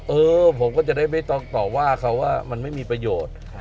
เออผมก็จะได้ไม่ต้องต่อว่าเขาว่ามันไม่มีประโยชน์